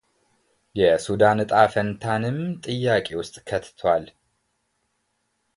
የሱዳን እጣ ፈንታንም ጥያቄ ውስጥ ከትቷል።